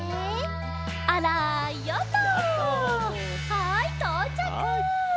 はいとうちゃく！